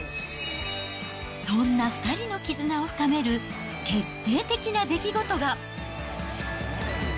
そんな２人の絆を深める、決定的な出来事が。